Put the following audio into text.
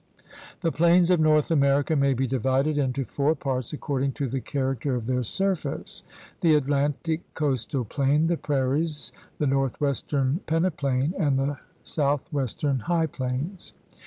The plains of North America may be divided into four parts according to the character of their surface: the Atlantic coastal plain, the prairies, the northwestern peneplain, and the southwestern high plains.